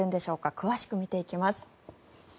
詳しく見ていきます。